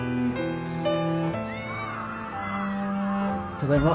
ただいま。